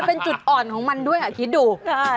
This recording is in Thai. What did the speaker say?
เป็นจุดอ่อนของมันด้วยคิดดู